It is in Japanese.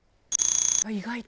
意外と。